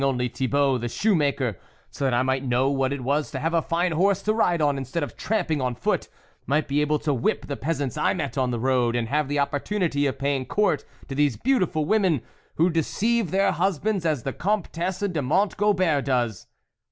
only Thibault, the shoe maker, so that I might know what it was to have a fine horse to ride, instead of tramping 8o THE WOLF LEADER on foot ; might be able to whip the peasants I met on the road, and have the opportunity of paying court to these beautiful women, who deceive their hus bands, as the Comtesse de Mont Gobert does